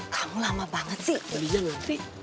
kamu lama banget sih